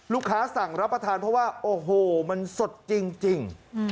สั่งรับประทานเพราะว่าโอ้โหมันสดจริง